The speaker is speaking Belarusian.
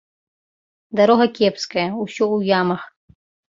Дарога кепская, усё ў ямах.